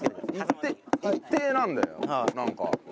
一定一定なんだよなんか。